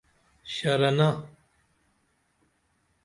شرنہ